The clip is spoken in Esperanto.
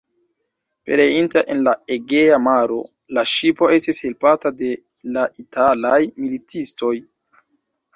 Pereinta en la Egea maro, la ŝipo estis helpata de la italaj militistoj.